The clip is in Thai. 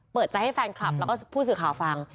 เปิดใจให้แฟนคลับแล้วก็ผู้สื่อข่าวฟัง